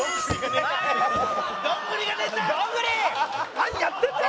何やってんだよ！